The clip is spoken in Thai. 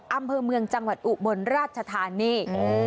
อำเภอเมืองจังหวัดอุบลราชธานี